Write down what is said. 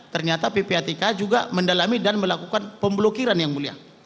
ternyata ppatk juga mendalami dan melakukan pemblokiran yang mulia